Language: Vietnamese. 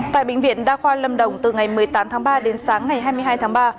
tại bệnh viện đa khoa lâm đồng từ ngày một mươi tám tháng ba đến sáng ngày hai mươi hai tháng ba